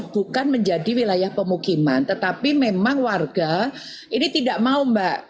bukan menjadi wilayah pemukiman tetapi memang warga ini tidak mau mbak